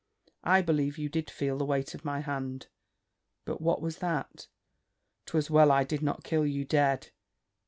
I believe you did feel the weight of my hand: but what was that? 'Twas well I did not kill you dead."